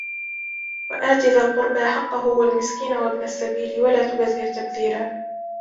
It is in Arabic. وَآتِ ذَا الْقُرْبَى حَقَّهُ وَالْمِسْكِينَ وَابْنَ السَّبِيلِ وَلَا تُبَذِّرْ تَبْذِيرًا